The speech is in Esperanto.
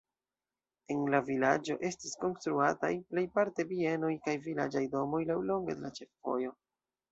En la vilaĝo estis konstruataj plejparte bienoj kaj vilaĝaj domoj laŭlonge de la ĉefvojo.